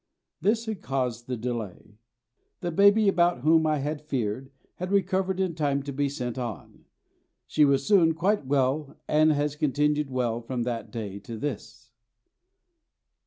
This had caused the delay. The baby about whom I had feared had recovered in time to be sent on. She was soon quite well, and has continued well from that day to this.